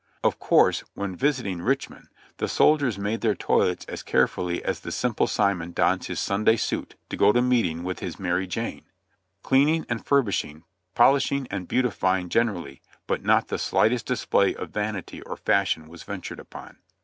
Of course, wdien visiting Richmond, the soldiers made their toilets as carefully as the Simple Simon dons his Sunday suit to go to meeting with his Mary Jane; cleaning and furbishing, pol ishing and beautifying generally, but not the slightest display of vanity or fashion was ventured upon.